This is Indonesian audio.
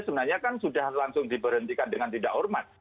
sebenarnya kan sudah langsung diberhentikan dengan tidak hormat